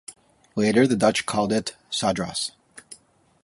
Later the Dutch called it Sadras.